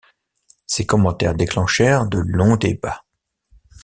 Ces commentaires déclenchèrent de longs débats.